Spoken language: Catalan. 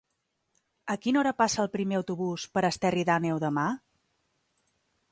A quina hora passa el primer autobús per Esterri d'Àneu demà?